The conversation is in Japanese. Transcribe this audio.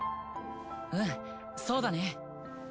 うんそうだね。